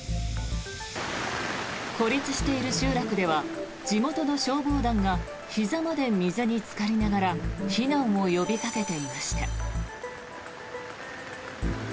孤立している集落では地元の消防団がひざまで水につかりながら避難を呼びかけていました。